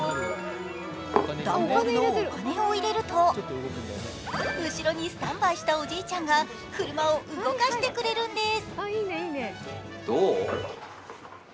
段ボールのお金を入れると後ろにスタンバイしたおじいちゃんが、車を動かしてくれるんです。